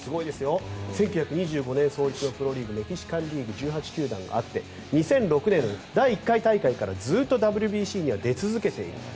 １９２５年創立のプロリーグメキシカンリーグ１８球団あって２００６年第１回大会からずっとＷＢＣには出続けている。